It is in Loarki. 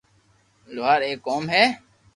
لوھار ايڪ قوم ھي